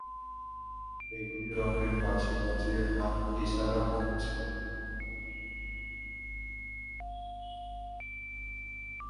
বেগুনী রঙের বাঁশি বাজিয়ে হাত ইশারা করছে।